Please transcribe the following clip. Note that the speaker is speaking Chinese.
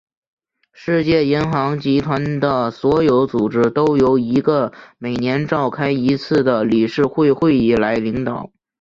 世界银行集团的所有组织都由一个每年召开一次的理事会会议来领导。